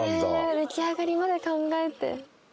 出来上がりまで考えて。